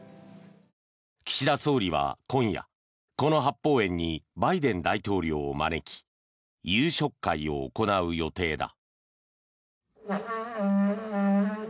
岸田総理は今夜この八芳園にバイデン大統領を招き夕食会を行う予定だ。